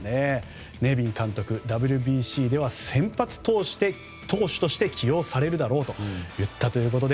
ネビン監督はＷＢＣでは先発投手として起用されるだろうと言ったということで。